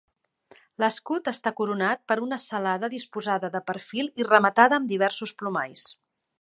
L'escut està coronat per una celada disposada de perfil i rematada amb diversos plomalls.